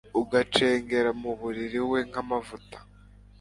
ugacengera mu mubiri we nk’amavuta